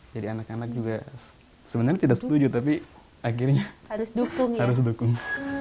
jadi anak anak juga sebenarnya tidak setuju tapi akhirnya harus dukung